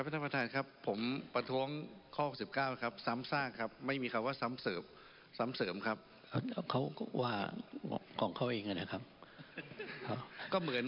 ถ้ามันการันที๓ส่วนเจน